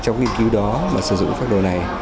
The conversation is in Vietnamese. trong nghiên cứu đó mà sử dụng phác đồ này